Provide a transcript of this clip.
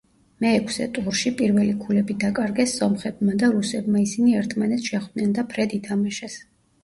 მეექვსე ტურში პირველი ქულები დაკარგეს სომხებმა და რუსებმა, ისინი ერთმანეთს შეხვდნენ და ფრედ ითამაშეს.